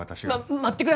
待ってください！